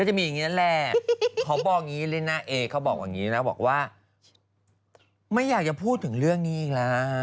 จะยังไงเราก็รักก่อนเหรอ